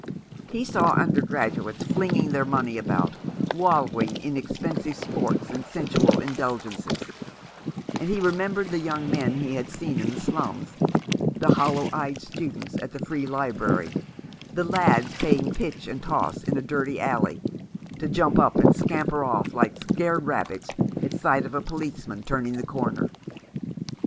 He saw undergraduates flinging their money about, wallowing in expensive sports and sensual indulgences ; and he remem bered the young men he had seen in the slums — the hollow eyed students at the Free Library — the lads playing pitch and toss in a dirty alley,' to jump up and scamper off like scared rabbits at sight of a policeman turning the corner.